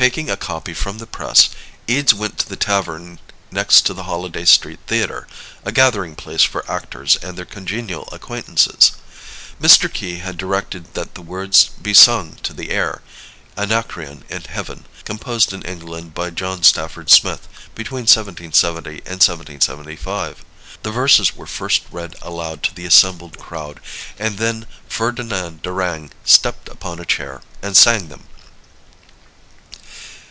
Taking a copy from the press, Eades went to the tavern next to the Holiday Street Theater a gathering place for actors and their congenial acquaintances. Mr. Key had directed that the words be sung to the air, "Anacreon in Heaven," composed in England by John Stafford Smith, between 1770 and 1775. The verses were first read aloud to the assembled crowd, and then Ferdinand Durang stepped upon a chair and sang them.